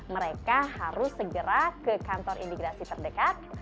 mereka harus segera ke kantor imigrasi terdekat